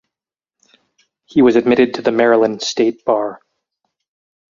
He was admitted to the Maryland State Bar.